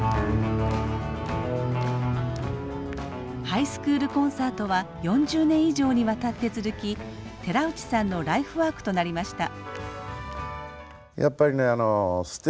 ハイスクールコンサートは４０年以上にわたって続き寺内さんのライフワークとなりました。